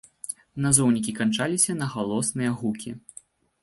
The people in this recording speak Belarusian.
Назоўнікі канчаліся на галосныя гукі.